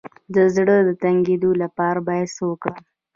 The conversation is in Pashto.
د زړه د تنګي لپاره باید څه وکړم؟